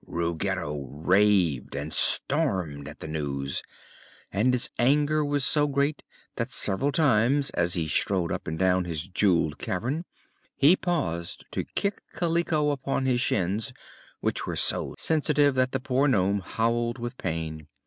Ruggedo raved and stormed at the news and his anger was so great that several times, as he strode up and down his jeweled cavern, he paused to kick Kaliko upon his shins, which were so sensitive that the poor nome howled with pain.